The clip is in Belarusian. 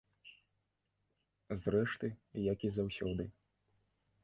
Зрэшты, як і заўсёды.